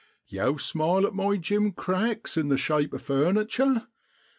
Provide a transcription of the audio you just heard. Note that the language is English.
4 Yow smile at my jim cracks in the shape of furniture.